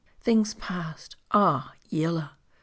Things past I Ah Yillah